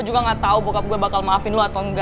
gue juga gak tau bokap gue bakal maafin lo atau engga